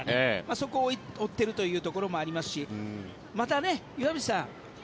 そこを追ってるというところもありますしまた、岩渕さん